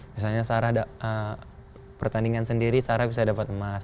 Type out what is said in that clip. misalnya sarah ada pertandingan sendiri sarah bisa dapat perunggu